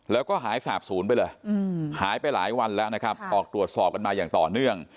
แล้วก็หายสาบศูนย์ไปเลยหายไปหลายวันแล้วนะครับออกตรวจสอบกันมาอย่างต่อเนื่อง